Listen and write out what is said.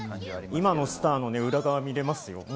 今のスターの裏側が見られますよ。